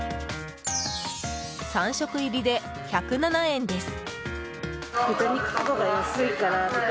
３食入りで１０７円です。